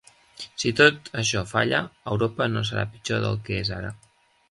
Si tot això falla, Europa no serà pitjor del que és ara.